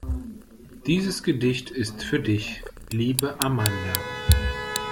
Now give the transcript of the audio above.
Dieses Gedicht ist für dich, liebe Amanda.